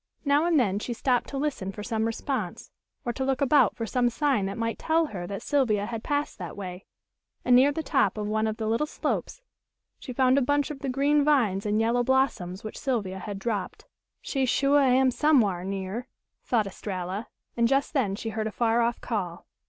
Now and then she stopped to listen for some response, or to look about for some sign that might tell her that Sylvia had passed that way, and near the top of one of the little slopes she found a bunch of the green vines and yellow blossoms which Sylvia had dropped. "She shuah am somewhar near," thought Estralla, and just then she heard a far off call.